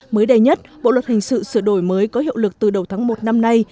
mới đây nhất bộ luật hình sự sửa đổi mới có hiệu lực từ đầu tháng một năm nay